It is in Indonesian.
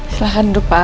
silahkan dulu pak